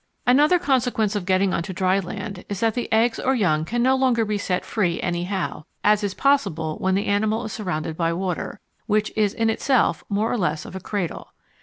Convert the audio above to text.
Another consequence of getting on to dry land is that the eggs or young can no longer be set free anyhow, as is possible when the animal is surrounded by water, which is in itself more or less of a cradle.